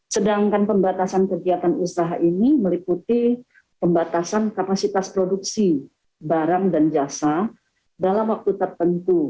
sedangkan pembatasan kegiatan usaha ini meliputi pembatasan kapasitas produksi barang dan jasa dalam waktu tertentu